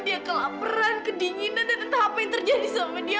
dia kelaperan kedinginan dan entah apa yang terjadi sama dia